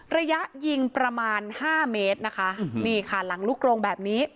ระยะยิงประมาณห้าเมตรนะคะนี่ค่ะหลังลูกโรงแบบนี้